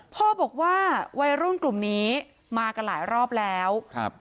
พ่อบอกว่าวัยรุ่นกลุ่มนี้มากันหลายรอบแล้วครับ